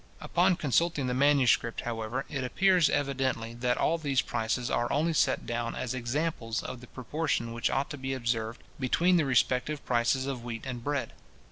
Upon consulting the manuscript, however, it appears evidently, that all these prices are only set down as examples of the proportion which ought to be observed between the respective prices of wheat and bread.